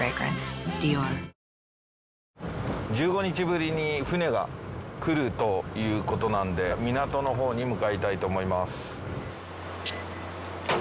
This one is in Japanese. １５日ぶりに船が来るということなんで港のほうに向かいたいと思います。